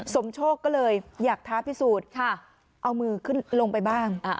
สมโชคก็เลยอยากท้าพิสูจน์เอามือขึ้นลงไปบ้าง